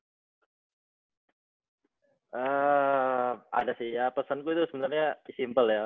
ada sih ya pesan gue itu sebenernya simple ya